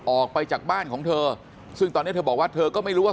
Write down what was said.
ออกไปจากบ้านของเธอซึ่งตอนนี้เธอบอกว่าเธอก็ไม่รู้ว่า